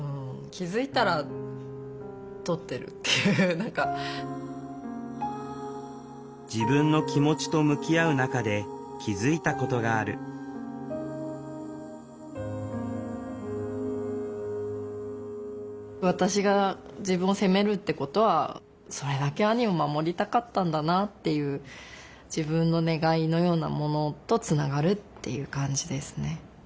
本当にこう自分の気持ちと向き合う中で気付いたことがある私が自分を責めるってことはそれだけ兄を守りたかったんだなっていう自分の願いのようなものとつながるっていう感じですね。